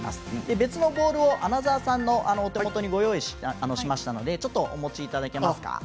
別のボールを穴澤さんのお手元にご用意しましたのでちょっとお持ちいただけますか。